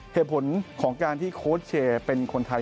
เหตุผลของการที่โค้ชเชย์เป็นคนไทย